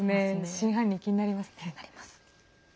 真犯人、気になりますね。